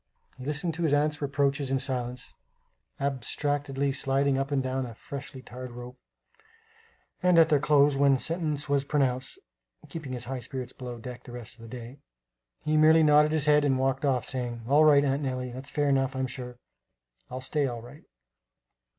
He listened to his aunt's reproaches in silence, abstractedly sliding up and down a freshly tarred rope; and, at their close, when sentence was pronounced (keeping his high spirits below deck the rest of the day), he merely nodded his head and walked off saying: "All right, Aunt Nellie, that's fair enough, I am sure; I'll stay all right."